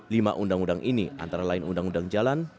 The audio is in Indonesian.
lima undang undang ini antara lain undang undang jalan